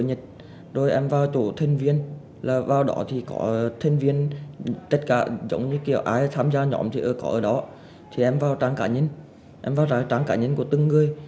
em vào trang facebook của cộng đồng em vào trang cá nhân của từng người